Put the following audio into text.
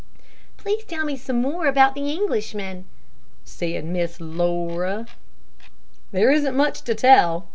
"Please tell me some more about the Englishman," said Miss Laura. "There isn't much to tell.